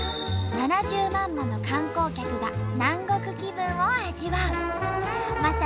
７０万もの観光客が南国気分を味わう。